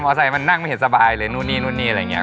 มอเตอร์ไซส์มันนั่งไม่เห็นสบายเลยนู่นนี่อะไรอย่างเงี้ย